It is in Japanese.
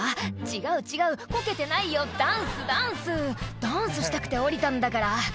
違う違うこけてないよダンスダンス」「ダンスしたくて降りたんだから」